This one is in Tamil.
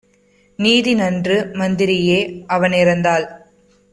நீதிநன்று மந்திரியே! அவன் இறந்தால்